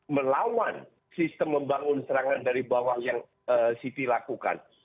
melawan sistem membangun serangan dari bawah yang siti lakukan